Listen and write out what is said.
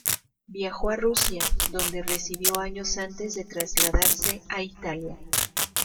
Viajó a Rusia, donde residió años antes de trasladarse a Italia.